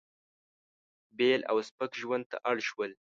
بېل او سپک ژوند ته اړ شول.